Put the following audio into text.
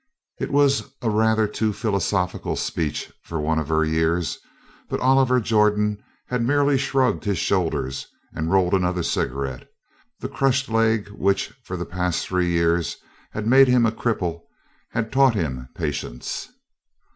It was a rather too philosophical speech for one of her years, but Oliver Jordan had merely shrugged his shoulders and rolled another cigarette; the crushed leg which, for the past three years, had made him a cripple, had taught him patience.